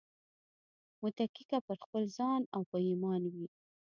متکي که پر خپل ځان او په ايمان وي